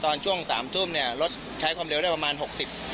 ช่วงสามทุ่มเนี่ยรถใช้ความเร็วได้ประมาณหกสิบ